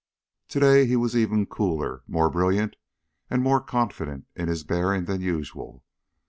To day he was even cooler, more brilliant, and more confident in his bearing than usual.